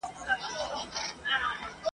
په تندي کي مو لیکلي د سپرلیو جنازې دي ..